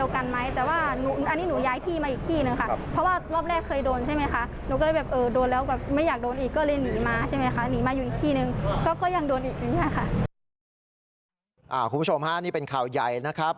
คุณผู้ชมฮะนี่เป็นข่าวใหญ่นะครับ